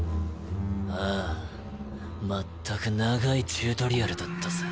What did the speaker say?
ああまったく長いチュートリアルだったぜ。